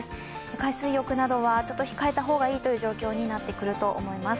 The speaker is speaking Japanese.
海水浴などはちょっと控えた方がいいという状況になってくると思います。